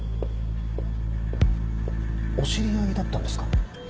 お知り合いだったんですか？